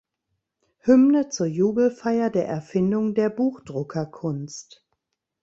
Hymne zur Jubelfeier der Erfindung der Buchdruckerkunst.